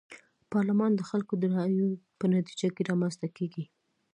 پارلمان د خلکو د رايو په نتيجه کي رامنځته کيږي.